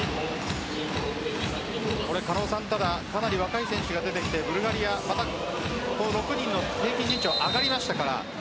かなり若い選手が出てきてブルガリア、６人の平均身長上がりましたから。